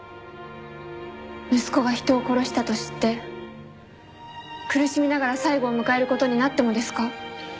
息子が人を殺したと知って苦しみながら最期を迎える事になってもですか？